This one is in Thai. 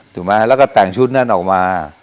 ถูกไหมแล้วก็แต่งชุดนั้นออกมา